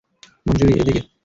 মঞ্জুরী, এইদিকে।